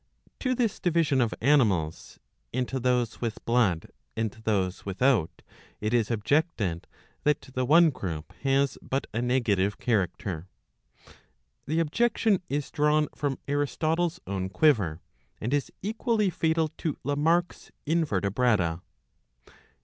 To this division of animals, into those with blood and those without, it is objected that the one group has but a negative character. The objection is drawn from Aristotle's own quiver, and is equally fatal to Lamarck's Invertebrata.